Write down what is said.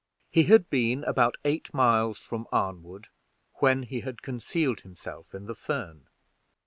He had been about eight miles from Arnwood when he had concealed himself in the fern.